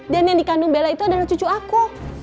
dan yang dikandung belah itu adalah cucu aku